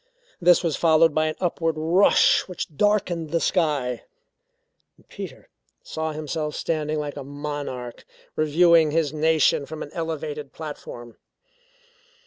This was followed by an upward rush which darkened the sky. Peter saw himself standing like a monarch reviewing his nation from an elevated platform.